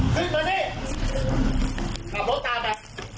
พี่พี่นะผมกันนะ